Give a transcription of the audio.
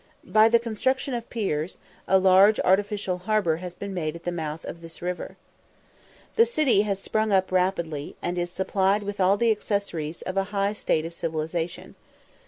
By the construction of piers, a large artificial harbour has been made at the mouth of this river. The city has sprung up rapidly, and is supplied with all the accessories of a high state of civilisation.